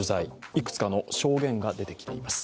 いくつかの証言が出てきています。